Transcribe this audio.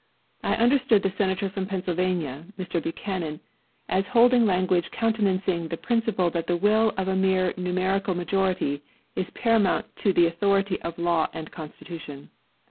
I understood the Senator from Pennsylvania [Mr. Buchanan] as holding language countenancing the principle that the will of a mere numerical majority is paramount to the authority of law and constitution.